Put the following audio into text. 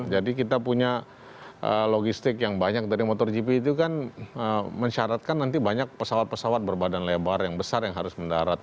jadi kita punya logistik yang banyak dari motor gp itu kan mensyaratkan nanti banyak pesawat pesawat berbadan lebar yang besar yang harus mendarat